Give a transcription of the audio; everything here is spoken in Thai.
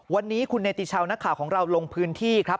วันนี้คุณเนติชาวนักข่าวของเราลงพื้นที่ครับ